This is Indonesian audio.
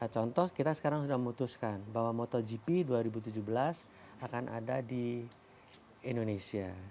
contoh kita sekarang sudah memutuskan bahwa motogp dua ribu tujuh belas akan ada di indonesia